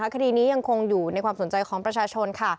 คดีนี้ยังคงอยู่ในความสนใจของประชาชนค่ะ